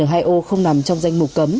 hiện nay n hai o không nằm trong danh mục cấm